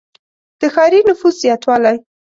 • د ښاري نفوس زیاتوالی.